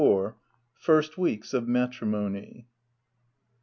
FIRST WEEKS OF MATRIMONY.